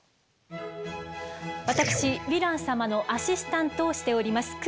私ヴィラン様のアシスタントをしております